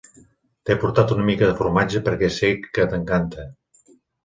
T'he portat una mica de formatge perquè sé que t'encanta.